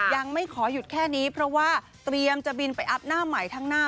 ยังไม่ขอหยุดแค่นี้เพราะว่าเตรียมจะบินไปอัพหน้าใหม่ข้างหน้า